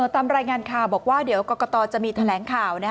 ตามรายงานข่าวบอกว่ากกจะมีแถลงข่าว